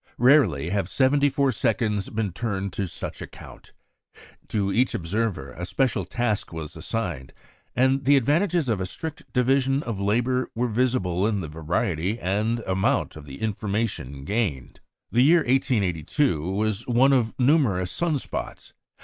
Rarely have seventy four seconds been turned to such account. To each observer a special task was assigned, and the advantages of a strict division of labour were visible in the variety and amount of the information gained. The year 1882 was one of numerous sun spots.